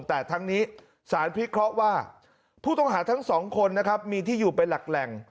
แต่ทั้งนี้สารพิเคราะห์ว่าผู้ต้องหาทั้งสองคนนะครับมีที่อยู่เป็นหลักแหล่ง